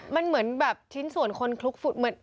มันเหมือนแบบชิ้นส่วนคนคลุกเหมือน